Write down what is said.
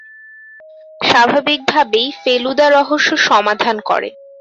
স্বাভাবিকভাবেই ফেলুদা রহস্য সমাধান করে।